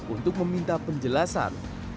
untuk meminta penjelasan